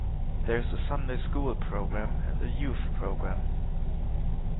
There is a Sunday School programme and a youth programme.